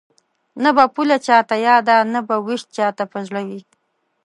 نه به پوله چاته یاده نه به وېش چاته په زړه وي